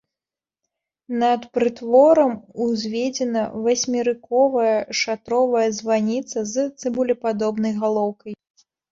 Над прытворам узведзена васьмерыковая шатровая званіца з цыбулепадобнай галоўкай.